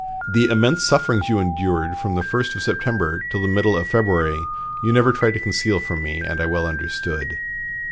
The immense sufferings you endured from the first days of September till the middle of February you never tried to conceal from me, and I well understood.